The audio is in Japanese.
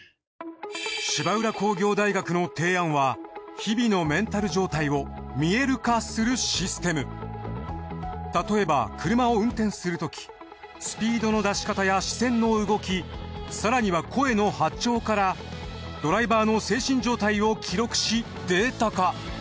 芝浦工業大学の提案は日々の例えば車を運転するときスピードの出し方や視線の動き更には声の波長からドライバーの精神状態を記録しデータ化。